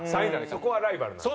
そこはライバルなんだ。